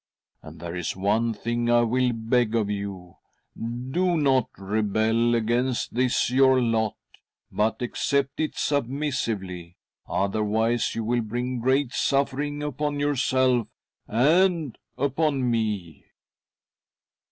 And there is one thing I will beg of you — do not rebel against this your lot, but accept it submissively ; otherwise you will bring great suffering upon yourself, and upon me."